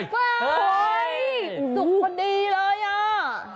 เห้ยสุขก็ดีเลยอ่ะ